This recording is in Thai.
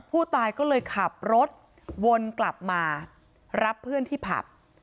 ผู้ตายก็เลยขับรถวนกลับมารับเพื่อนที่ผับ